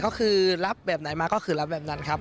ก็คือรับแบบไหนมาก็คือรับแบบนั้นครับ